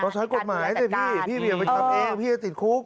ใช้กฎหมายสิพี่พี่อย่าไปทำเองพี่จะติดคุก